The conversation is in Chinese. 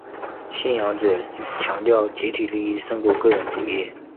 信仰者强调集体利益胜过个人主义。